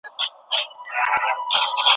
زړه قلا